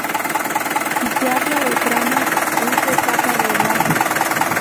Si se habla de tramas es de capa de enlace.